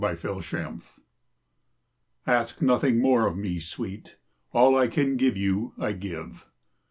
THE OBLATION ASK nothing more of me, sweet; All I can give you I give.